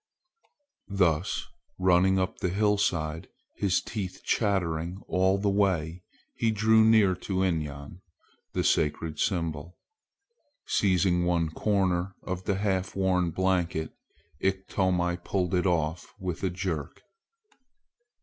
Thus running up the hillside, his teeth chattering all the way, he drew near to Inyan, the sacred symbol. Seizing one corner of the half worn blanket, Iktomi pulled it off with a jerk.